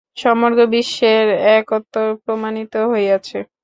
সমগ্র বিশ্বের একত্ব প্রমাণিত হইয়াছে।